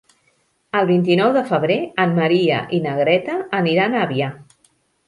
El vint-i-nou de febrer en Maria i na Greta aniran a Avià.